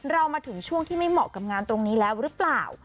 เรามาถึงช่วงที่ไม่เหมาะกับงานตรงนี้แล้วหรือเปล่า